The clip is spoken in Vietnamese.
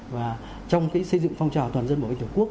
và trong cái xây dựng phong trào toàn dân bảo vệ an ninh tổ quốc